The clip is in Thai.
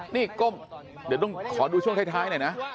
นี่ก้มเดี๋ยวต้องขอดูช่วงท้ายหน่อยนะ